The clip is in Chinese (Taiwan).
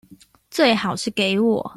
最好是給我